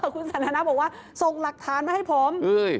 คุณสันทนาบอกว่าส่งหลักฐานมาให้ผม